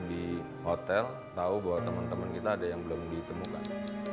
di hotel tahu bahwa teman teman kita ada yang belum ditemukan